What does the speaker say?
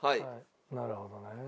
なるほどね。